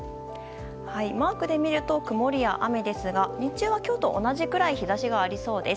マークで見ると曇りや雨ですが日中は今日と同じくらい日差しがありそうです。